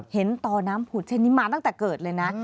ต่อน้ำผุดเช่นนี้มาตั้งแต่เกิดเลยนะ